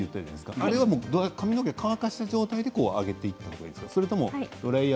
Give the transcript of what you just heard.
あれは髪の毛、乾かした状態で当てていった方いいですか？